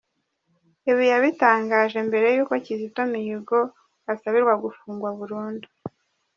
Ibi yabitangaje mbere y’uko Kizito Mihigo asabirwa gufungwa burundu.